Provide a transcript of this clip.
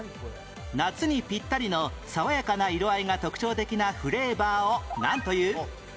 夏にピッタリの爽やかな色合いが特徴的なフレーバーをなんという？